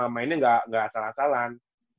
mainnya ga asal asalan